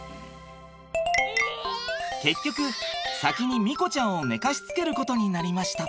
結局先に美瑚ちゃんを寝かしつけることになりました。